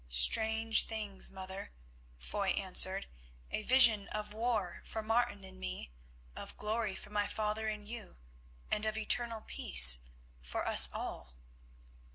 "Strange things, mother," Foy answered. "A vision of war for Martin and me, of glory for my father and you, and of eternal peace for us all."